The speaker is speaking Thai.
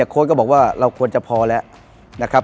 โค้ดก็บอกว่าเราควรจะพอแล้วนะครับ